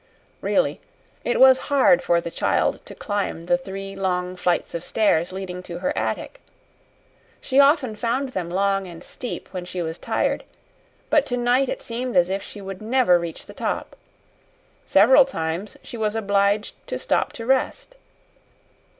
Really, it was hard for the child to climb the three long flights of stairs leading to her attic. She often found them long and steep when she was tired; but tonight it seemed as if she would never reach the top. Several times she was obliged to stop to rest.